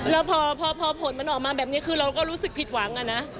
แล้วพอผลมันออกมาแบบนี้คือเราก็รู้สึกผิดหวังอะนะ